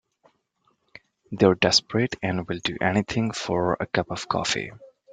They're desperate and will do anything for a cup of coffee.